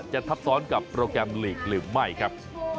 ทับซ้อนกับโปรแกรมลีกหรือไม่ครับ